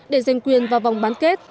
để giành quyền vào vòng bán kết